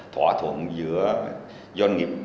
thỏa thuận giữa doanh nghiệp